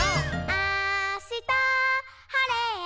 「あしたはれたら」